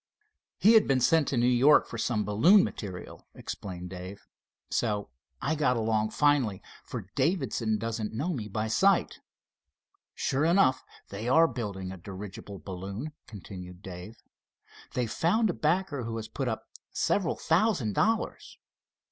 "He had been sent to New York for some balloon material," explained Dave, "so I got along finely, for Davidson doesn't know me by sight. Sure enough, they are building a dirigible balloon," continued Dave. "They've found a backer who has put up several thousand dollars.